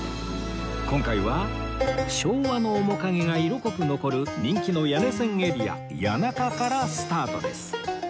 今回は昭和の面影が色濃く残る人気の谷根千エリア谷中からスタートです